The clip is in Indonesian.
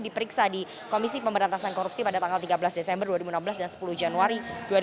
diperiksa di komisi pemberantasan korupsi pada tanggal tiga belas desember dua ribu enam belas dan sepuluh januari dua ribu delapan belas